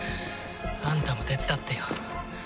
あんたも手伝ってよ。